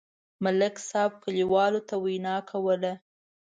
ملک صاحب کلیوالو ته وینا کوله.